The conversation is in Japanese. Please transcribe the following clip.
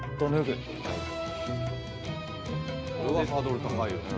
これはハードル高いよ。